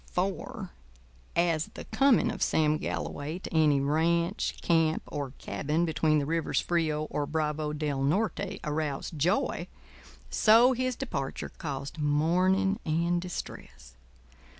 For, as the coming of Sam Galloway to any ranch, camp, or cabin between the rivers Frio or Bravo del Norte aroused joy, so his departure caused mourning and distress.